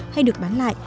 hay được bán lại